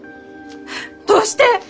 どうして？